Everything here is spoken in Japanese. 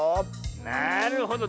なるほど。